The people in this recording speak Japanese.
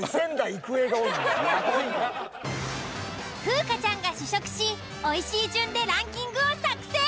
［風花ちゃんが試食しおいしい順でランキングを作成］